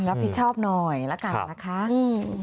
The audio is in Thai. รับผิดชอบหน่อยละกันนะคะอืม